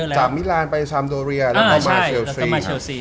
จากมิรานด์ไปซามโดเรียแล้วมาเชลซี